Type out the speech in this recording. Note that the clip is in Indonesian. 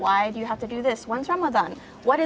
kenapa kamu harus melakukan ini kapan ramadan apa adalah eid